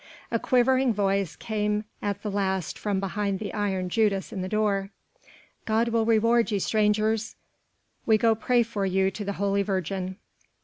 A quivering voice came at the last from behind the iron judas in the door. "God will reward ye, strangers! we go pray for you to the Holy Virgin...."